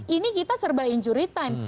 ini kita serba injuritan